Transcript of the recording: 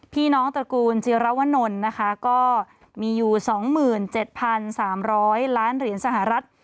ตระกูลจิรวนลนะคะก็มีอยู่๒๗๓๐๐ล้านเหรียญสหรัฐ